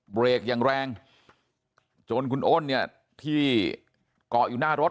เบรกอย่างแรงจนคุณอ้นเนี่ยที่เกาะอยู่หน้ารถ